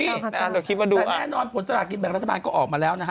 แต่แน่นอนผลสลากินแบ่งรัฐบาลก็ออกมาแล้วนะฮะ